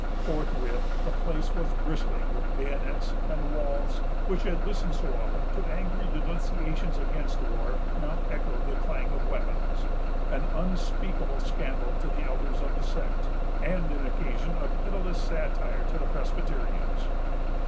Forthwith, the place was bristling with bayonets; and the walls, which had listened so often to angry denunciations against war, now echoed the clang of weapons,——an unspeakable scandal to the elders of the sect, and an occasion of pitiless satire to the Presbyterians.